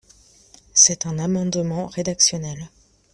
C’est un amendement rédactionnel.